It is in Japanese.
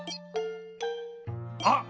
あっ！